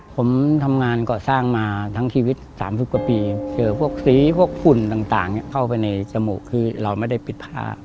ผมทำงานก่อสร้างมาทั้งชีวิต๓๐กว่าปีเจอพวกสีพวกฝุ่นต่างเข้าไปในจมูกคือเราไม่ได้ปิดผ้า